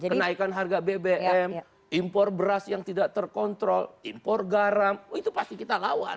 kenaikan harga bbm impor beras yang tidak terkontrol impor garam itu pasti kita lawan